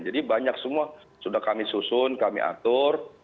jadi banyak semua sudah kami susun kami atur